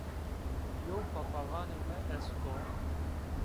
Yew papaxanê mi est o